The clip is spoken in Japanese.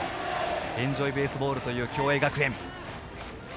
エンジョイベースボールという共栄学園。